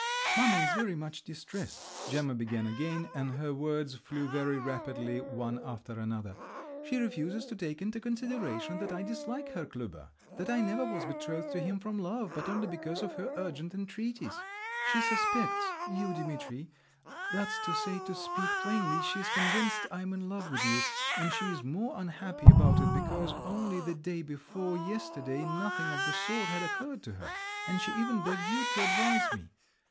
"Mamma is very much distressed," Gemma began again, and her words flew very rapidly one after another; "she refuses to take into consideration that I dislike Herr Klüber, that I never was betrothed to him from love, but only because of her urgent entreaties…. She suspects—you, Dimitri; that's to say, to speak plainly, she's convinced I'm in love with you, and she is more unhappy about it because only the day before yesterday nothing of the sort had occurred to her, and she even begged you to advise me….